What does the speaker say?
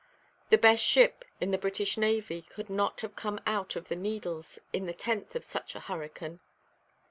The best ship in the British navy could not have come out of the Needles in the teeth of such a hurricane.